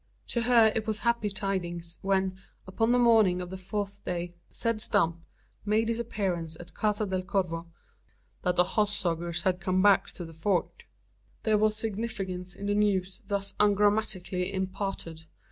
To her it was happy tidings, when, upon the morning of the fourth day, Zeb Stump made his appearance at Casa del Corro, bringing the intelligence; that the "hoss sogers hed kum back to the Fort." There was significance in the news thus ungrammatically imparted.